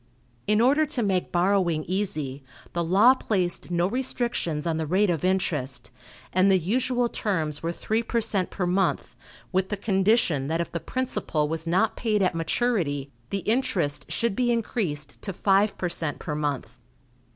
In order to make borrowing easy, the law placed no restrictions on the rate of interest, and the usual terms were three per cent per month, with the condition that if the principal was not paid at maturity, the interest should be increased to five per cent per month.